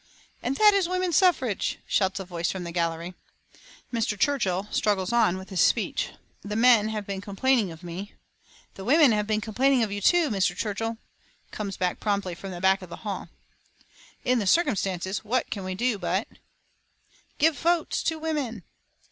"And that is woman suffrage," shouts a voice from the gallery. Mr. Churchill struggles on with his speech: "The men have been complaining of me " "The women have been complaining of you, too, Mr. Churchill," comes back promptly from the back of the hall. "In the circumstances what can we do but " "Give votes to women."